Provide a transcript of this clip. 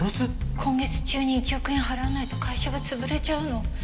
今月中に１億円払わないと会社が潰れちゃうの。